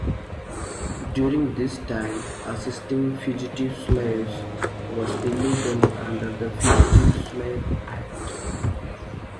During this time assisting fugitive slaves was illegal under the Fugitive Slave Act.